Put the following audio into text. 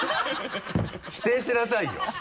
否定しなさいよ。